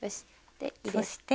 で入れて。